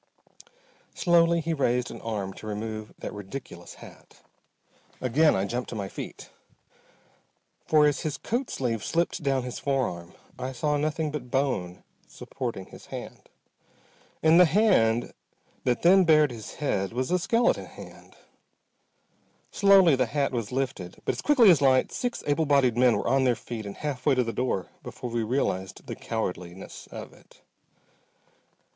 Slowly he raised an arm to remove that ridiculous hat. Again I jumped to my feet. For as his coat sleeve slipped down his forearm I saw nothing but bone supporting his hand. And the hand that then bared his head was a skeleton hand! Slowly the hat was lifted, but as quickly as light six able bodied men were on their feet and half way to the door before we realized the cowardliness of it.